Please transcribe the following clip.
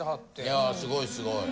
いやすごいすごい。